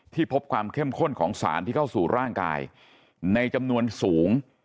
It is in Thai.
พบความเข้มข้นของสารที่เข้าสู่ร่างกายในจำนวนสูง